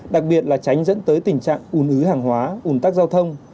đặc biệt là tránh dẫn tới tình trạng ùn ứ hàng hóa ùn tắc giao thông